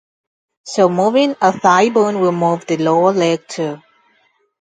So moving a thigh-bone will move the lower leg too.